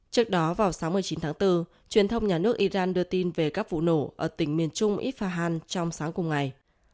trước đó vào sáu mươi chín tháng bốn truyền thông nhà nước iran đưa tin về các vụ nổ ở tỉnh miền trung ifahan trong sáng cùng ngày